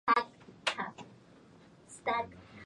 それを一概に「飜訳者は裏切り者」と心得て畏れ謹しんだのでは、